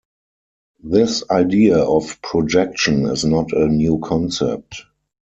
This idea of projection is not a new concept.